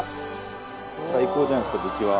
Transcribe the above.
最高じゃないですか出来は。